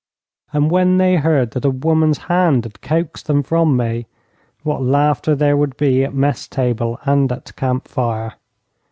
And when they heard that a woman's hand had coaxed them from me, what laughter there would be at mess table and at camp fire!